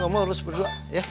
kamu urus berdua ya